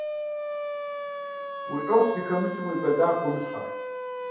Уи ӏуэху зыхэмылъым уи бэлагъ хыумылъхьэ.